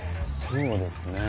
そうですね。